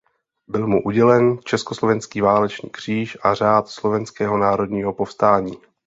Byl mu udělen Československý válečný kříž a Řád Slovenského národního povstání.